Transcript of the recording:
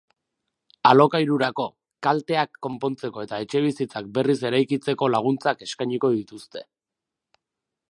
Alokairurako, kalteak konpontzeko eta etxebizitzak berriz eraikitzeko laguntzak eskainiko dituzte.